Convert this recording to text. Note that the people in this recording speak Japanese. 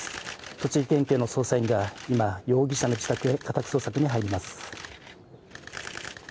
栃木県警の捜査員が今、容疑者の自宅に家宅捜索に入ります。